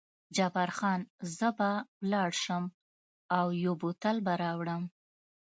جبار خان: زه به ولاړ شم او یو بوتل به راوړم.